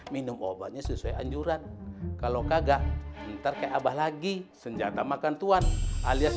minum obatnya sesuai anjuran kalau gagah ntar kayak abah lagi senjata makan tuan alias